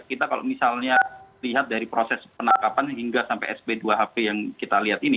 kita kalau misalnya lihat dari proses penangkapan hingga sampai sp dua hp yang kita lihat ini